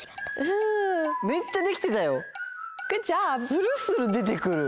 するする出てくる！